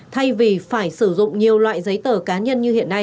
thay vì phải sử dụng nhiều loại giấy tờ cá nhân như hiện nay